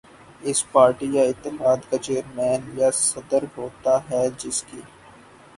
اس party یا اتحاد کا چیئرمین یا صدر ہوتا ہے جس کی